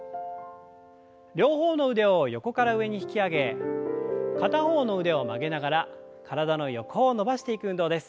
両方の腕を横から上に引き上げ片方の腕を曲げながら体の横を伸ばしていく運動です。